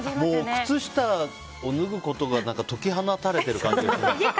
靴下を脱ぐことが解き放たれてる感じだよね。